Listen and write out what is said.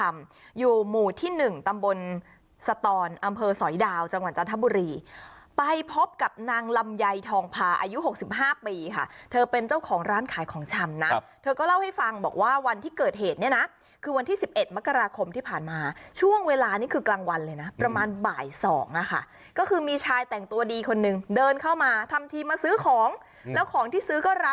อำเภอสอยดาวจังหวัดจันทบุรีไปพบกับนางลำยัยทองพาอายุหกสิบห้าปีค่ะเธอเป็นเจ้าของร้านขายของชำนะเขาก็เล่าให้ฟังบอกว่าวันที่เกิดเหตุเนี้ยน่ะคือวันที่สิบเอ็ดมกราคมที่ผ่านมาช่วงเวลานี่คือกลางวันเลยน่ะประมาณบ่ายสองอ่ะค่ะก็คือมีชายแต่งตัวดีคนนึงเดินเข้ามาทำทีมาซื้